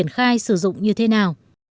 khai sử dụng như thế nào